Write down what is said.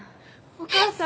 お父さん。